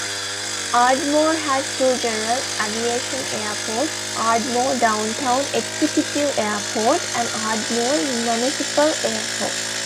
Ardmore has two general aviation airports, Ardmore Downtown Executive Airport and Ardmore Municipal Airport.